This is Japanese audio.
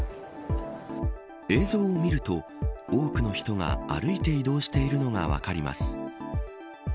映像を見ると、多くの人が歩いて移動しているのが分かります。